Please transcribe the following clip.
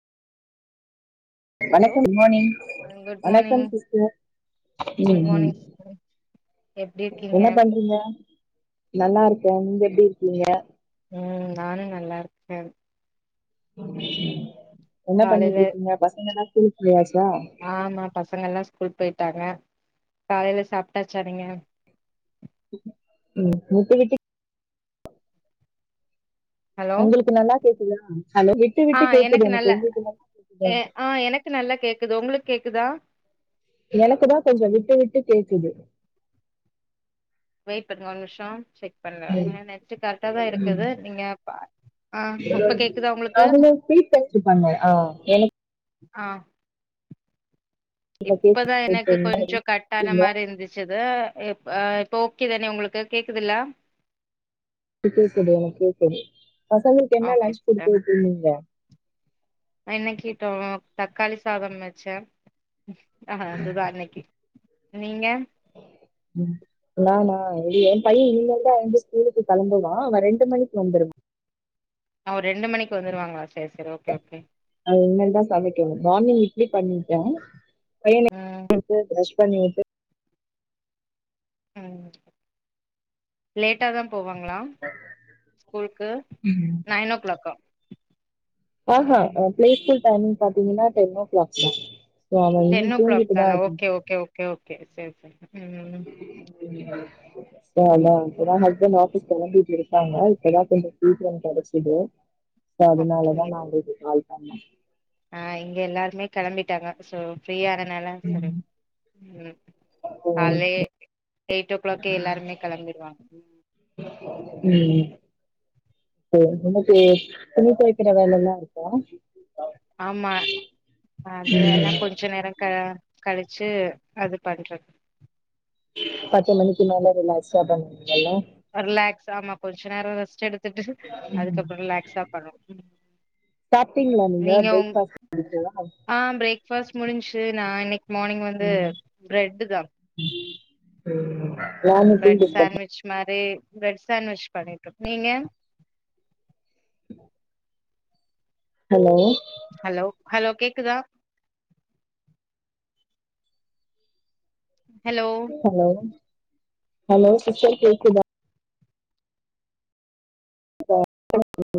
hello வணக்கம் good morning good morning good ம் ம் மார்னிங் எப்டி இருக்கீங்க என்ன பண்றங்க ம் நானு நல்லா இருக்கே என்ன காலையில பண்ணிட்ருக்கீங்க பசங்கலா ஸ்கூல் போயாச்சா ஆமா பசங்கலா ஸ்கூல் போயிட்டாங்க காலைல சாப்ட்டாச்சா நீங்க ம் ஊத்திகிட்டி ஹலோ உங்களுக்கு நல்லா கேக்குதா விட்டு ஆ விட்டு கேக்குது நல்ல எனக்கு உங்களுக்கு நல்லா கேக்குதா எ- ஆ எனக்கு நல்லா கேக்குது உங்களுக் கேக்குதா எனக்குதா கொஞ்ச விட்டு விட்டு கேக்குது வெயிட் பண்ணுங்க ஒரு நிமிஷோ செக் பண்ற ம் ஆ நெட்டு கரெக்டா தா இருக்குது நீங்க பா ஆ இப்ப கேக்குதா உங்களுக்கு அதுல ஃபீட்பேக்கு பண்ணோ இ எனக் ஆ இப்ப கேக்குது இப்பதா இப்ப எனக்கு கொஞ்சோ கட்டான என்ன மாரி இருந்துச்சுது இப் ஆ இப்ப ஓகே தானே உங்களுக்கு கேக்குதுல்ல பிச்சது எனக் கேக்குது பசங்கள்க்கு என்ன ஓகே லன்ச் சிஸ்டர் குடுத்து விட்டீங்க அ இன்னக்கி கிட்டோலப் தக்காளி சாதம் வச்ச ஆஹா அதுதா அன்னைக்கி நீங்க உம் நா நா ஏ பைய இனிமேல் தா எழுந்து ஸ்கூலுக்கு கெளம்புவா அவ ரெண்டு மணிக்கு வந்துருவா ஆ ஒரு ரெண்டு மணிக்கு வந்துடுவாங்களா சேரி சேரி ஓகே ஓகே அது இனிமேல் தா சமைக்கனு மார்னிங் இட்லி பண்ணிட்டோ பையனே ம் து ப்ரஷ் பண்ணி உட்டு அ லேட்டா தா போவாங்களா ஸ்கூலுக்கு நைன் ஓ கிளாக்கா ஆஹா பிளே ஸ்கூல் டைமிங் பாத்தீங்னா டென் ஓ கிளாக் தா டென் கிளாக் தான ஓகே ஓகே ஓகே சரி சரி ம் தா அதுதா இப்பதா ஹஸ்பெண்ட் ஆபீஸ் கிளம்பிட்டு இரு க்கா இப்பதா கொஞ்சோ பீடன் கெடைச்சது அதனாலதா நா உங்களுக்கு கால் பண்ண அ இங்கே எல்லாருமே கிளம்பிட்டாங்க ஃப்ரீயா அதனால சரி ம் ஸோ கால்லே எயிட் ஓ கிளாக்கே எல்லாருமே கிளம்பிடுவாங்க ம் உம் ஓ உனக்கு துணி தொக்கிற வேலல்லா இருக்கா ஆமா அது வேல்லா கொஞ்சோ நேரம் க கழிச்சி அது பண்றது பத்து மணிக்கு மேல ரிலாஸ் பந்தங்கல்ல ரிலாக்ஸ் ஆமா கொஞ்சோ நேரோ ரெஸ்ட் எடுத்துட்டு அதுக்கப்புற ரிலாக்ஸா பண்ணணு ம் சாப்டீங்ளா நீங்க பிரேக் ஃபாஸ்ட் முடிஞ்சதா ஆ பிரேக்ஃபாஸ்ட் முடிஞச்சி நா இன்னை மார்னிங் வந்து பிரெட் தா பிரெட் சண்ட்விச் இந்த மாரி பிரெட் சாண்ட்விச் பண்ணிட்டு நீங்க உஹ ஹலோ ஹலோ ஹலோ கேக்குதா ஹலோ ஹலோ ஹலோ சிஸ்டர் கேக்குதா [unintelligible]